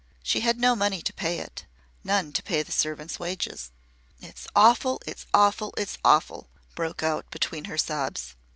She had no money to pay it, none to pay the servants' wages. "It's awful it's awful it's awful!" broke out between her sobs.